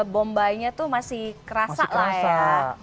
bombaynya tuh masih kerasa